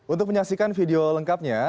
untuk menyaksikan video ini